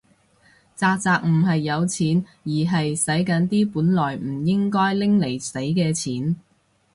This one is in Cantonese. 宅宅唔係有錢，而係洗緊啲本來唔可以拎嚟洗嘅錢